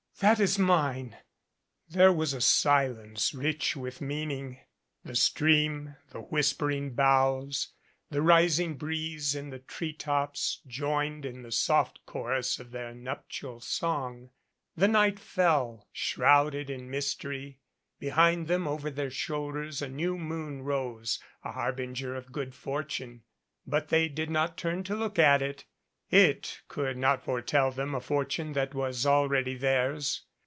"That is mine." There was a silence rich with meaning. The stream, the whispering boughs, the rising breeze in the tree tops joined in the soft chorus of their nuptial song. The DUO night fell, shrouded in mystery. Behind them over their shoulders a new moon rose, a harbinger of good fortune, but they did not turn to look at it. It could not foretell them a fortune that was already theirs.